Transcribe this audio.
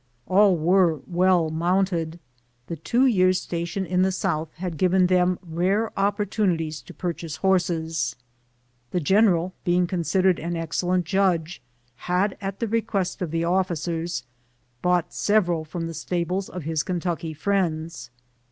All were well mounted ; the two years' station in the South had given them rare opportunities to purchase horses. The general, being considered an excellent judge, had, at the request of the officers, bought several from the stables of his Kentucky friends.